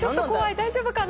大丈夫かな？